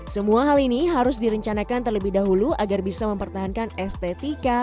semua hal ini harus direncanakan terlebih dahulu agar bisa mempertahankan estetika